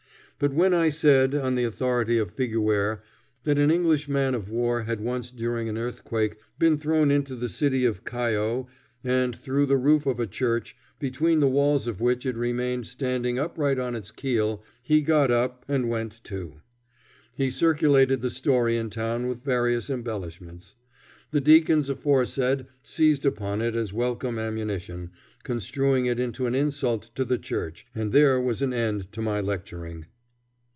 But when I said, on the authority of Figuier, that an English man of war had once during an earthquake been thrown into the city of Callao and through the roof of a church, between the walls of which it remained standing upright on its keel, he got up and went too. He circulated the story in town with various embellishments. The deacons aforesaid seized upon it as welcome ammunition, construing it into an insult to the church, and there was an end to my lecturing.